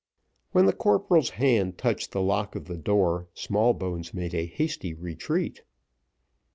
When the corporal's hand touched the lock of the door, Smallbones made a hasty retreat.